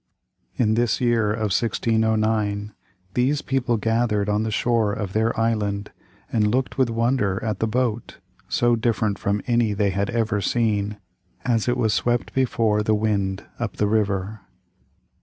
In this year of 1609, these people gathered on the shore of their island and looked with wonder at the boat, so different from any they had ever seen, as it was swept before the wind up the river.